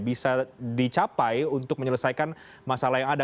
bisa dicapai untuk menyelesaikan masalah yang ada